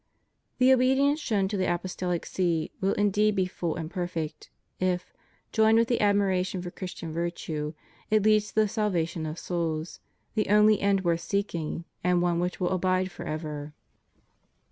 The obedience shown to the Apostolic See will indeed be full and perfect, if, joined with the admiration for Christian virtue, it lead to the salvation of souls — the only end worth seeking, and one which will abide forever.